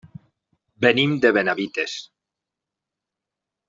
Venim de Benavites.